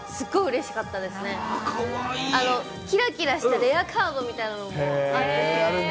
きらきらしたレアカードみたいなのもあって。